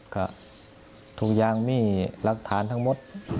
ก็ทุกอย่างมีหลักฐานทั้งหมด